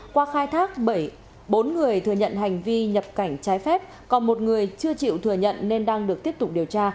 qua khai thác bốn người thừa nhận hành vi nhập cảnh trái phép còn một người chưa chịu thừa nhận nên đang được tiếp tục điều tra